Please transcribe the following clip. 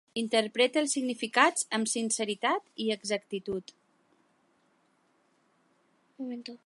Interpreta els significats amb sinceritat i exactitud.